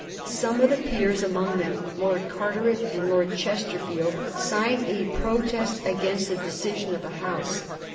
.Some of the peers, among them Lord Carteret and Lord Chesterfield, signed a pro test against the decision of the House.